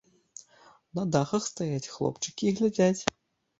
На дахах стаяць хлопчыкі і глядзяць.